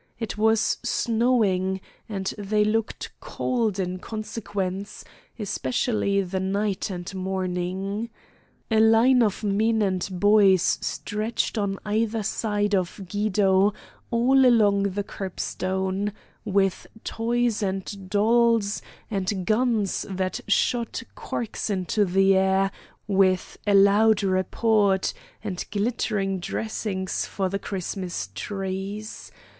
It was snowing, and they looked cold in consequence, especially the Night and Morning. A line of men and boys stretched on either side of Guido all along the curb stone, with toys and dolls, and guns that shot corks into the air with a loud report, and glittering dressings for the Christmas trees.